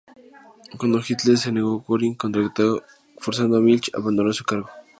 Cuando Hitler se negó, Göring contraatacó, forzando a Milch a abandonar su cargo.